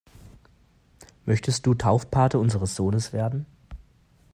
Möchtest du Taufpate unseres Sohnes werden?